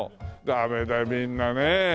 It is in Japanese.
ダメだみんなねえ。